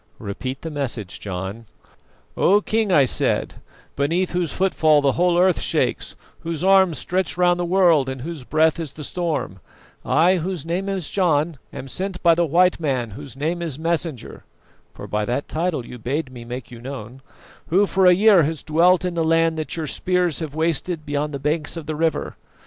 "Repeat the message, John." "'O King,' I said, 'beneath whose footfall the whole earth shakes, whose arms stretch round the world and whose breath is the storm, I, whose name is John, am sent by the white man whose name is Messenger' for by that title you bade me make you known 'who for a year has dwelt in the land that your spears have wasted beyond the banks of the river.